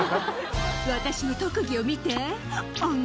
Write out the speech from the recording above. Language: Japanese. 「私の特技を見て」